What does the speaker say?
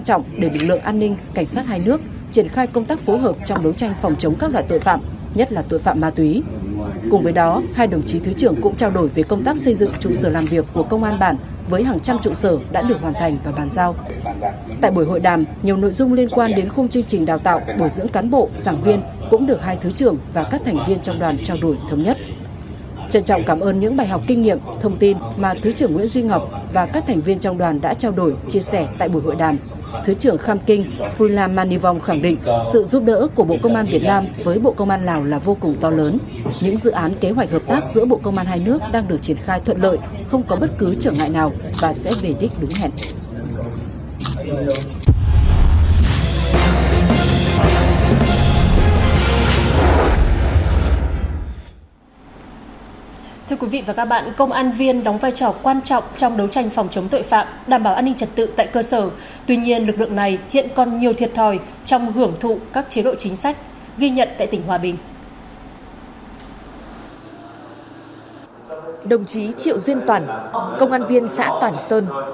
trong bài học kinh nghiệm thứ trưởng nguyễn duy ngọc và các thành viên trong đoàn đã trao đổi chia sẻ tại buổi hội đàm thứ trưởng nguyễn duy ngọc và các thành viên trong đoàn đã triển khai thuận lợi chia sẻ tại buổi hội đàm thứ trưởng nguyễn duy ngọc và các thành viên trong đoàn đã triển khai thuận lợi chia sẻ tại buổi hội đàm thứ trưởng nguyễn duy ngọc và các thành viên trong đoàn đã triển khai thuận lợi chia sẻ tại buổi hội đàm thứ trưởng nguyễn duy ngọc và các thành viên trong đoàn đã triển khai thuận lợi chia s